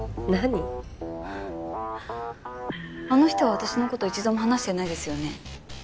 あの人は私の事一度も話してないですよね？